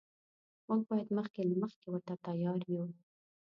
موږ باید مخکې له مخکې ورته تیار یو.